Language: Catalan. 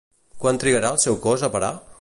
Quant trigarà el seu cos a parar?